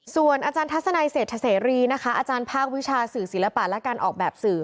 ส่วนอาจารย์ทัศนัยเศรษฐเสรีนะคะอาจารย์ภาควิชาสื่อศิลปะและการออกแบบสื่อ